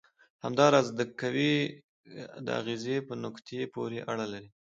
همدا راز د قوې د اغیزې په نقطې پورې اړه لري.